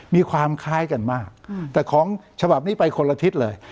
มีความคล้ายกันมากแต่ของฉบับนี้ไปคนละทิศเลย